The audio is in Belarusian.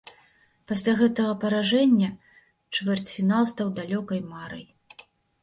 Пасля гэтага паражэння чвэрцьфінал стаў далёкай марай.